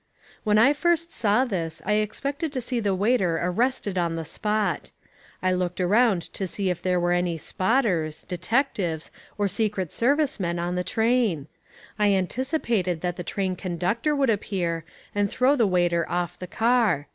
When I first saw this I expected to see the waiter arrested on the spot. I looked around to see if there were any "spotters," detectives, or secret service men on the train. I anticipated that the train conductor would appear and throw the waiter off the car.